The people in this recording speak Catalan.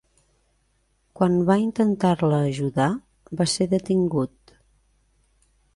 Quan va intentar-la ajudar, va ser detingut.